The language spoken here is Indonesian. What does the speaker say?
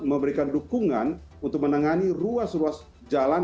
memberikan dukungan untuk menangani ruas ruas jalan